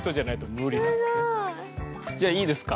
すごい。じゃあいいですか？